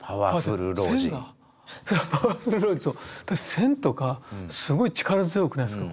線とかすごい力強くないですか？